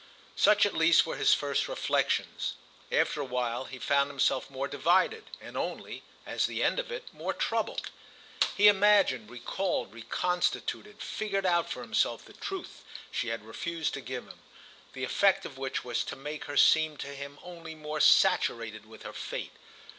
Such at least were his first reflexions; after a while he found himself more divided and only, as the end of it, more troubled. He imagined, recalled, reconstituted, figured out for himself the truth she had refused to give him; the effect of which was to make her seem to him only more saturated with her fate.